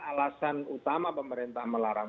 alasan utama pemerintah melarang